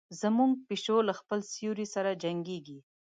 زموږ پیشو له خپل سیوري سره جنګیږي.